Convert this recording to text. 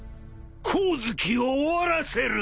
光月を終わらせる。